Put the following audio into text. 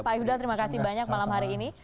pak ifdal terima kasih banyak malam hari ini